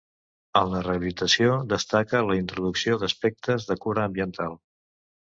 En la rehabilitació destaca la introducció d'aspectes de cura ambiental.